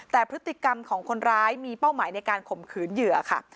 แต่พฤติกรรมของคนร้ายมีเป้าหมายในการข่มขืนเหยื่อค่ะ